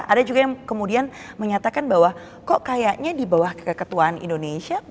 ada juga yang kemudian menyatakan bahwa kok kayaknya di bawah keketuaan indonesia